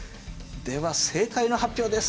では正解の発表です。